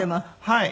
はい。